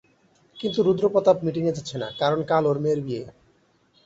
কিন্তু রুদ্র প্রতাপ মিটিং এ যাচ্ছে না, কারণ কাল ওর মেয়ের বিয়ে।